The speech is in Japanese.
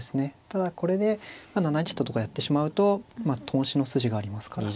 ただこれで７一ととかやってしまうと頓死の筋がありますから。